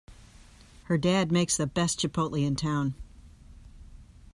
Her dad makes the best chipotle in town!